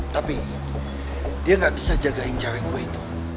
tapi dia gak bisa jagain cewek gue itu